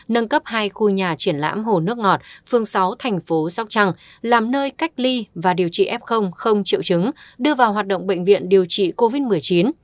nâng cấp hai khu nhà triển lãm hồ nước ngọt phương sáu thành phố sóc trăng làm nơi cách ly và điều trị f không triệu chứng đưa vào hoạt động bệnh viện điều trị covid một mươi chín